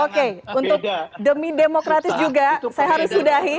oke untuk demi demokratis juga saya harus sudahi